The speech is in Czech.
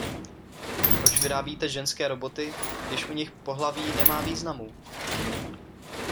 Proč vyrábíte ženské Roboty, když u nich pohlaví nemá významu?